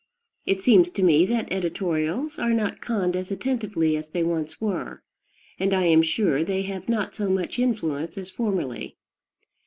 It seems to me that editorials are not conned as attentively as they once were; and I am sure they have not so much influence as formerly.